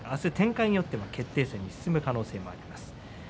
展開によっては決定戦に進む可能性があります。